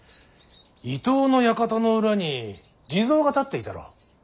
伊東の館の裏に地蔵が立っていたろう。